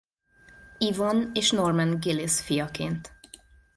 Yvonne és Norman Gillis fiaként.